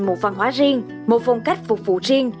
một văn hóa riêng một phong cách phục vụ riêng